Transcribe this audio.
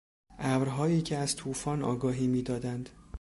ابرهایی که از توفان آگاهی میدادند